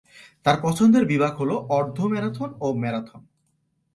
তার পছন্দের বিভাগ হল অর্ধ-ম্যারাথন ও ম্যারাথন।